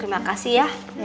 terima kasih ya